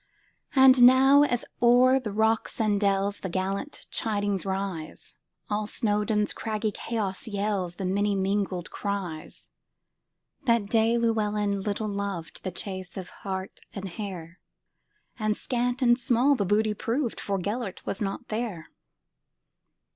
And now, as o'er the rocks and dellsThe gallant chidings rise, All Snowdon's craggy chaos yellsThe many mingled cries! That day Llewelyn little lovedThe chase of hart and hare; And scant and small the booty proved, For Gêlert was not there.